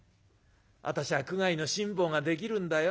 私は苦界の辛抱ができるんだよ』。